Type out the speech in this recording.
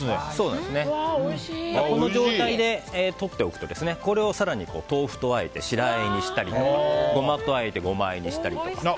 この状態で取っておくとこれを更に豆腐とあえて白あえにしたりゴマとあえてゴマあえにしたり。